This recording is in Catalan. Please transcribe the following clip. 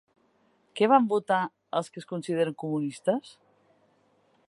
Què van votar els que es consideren comunistes?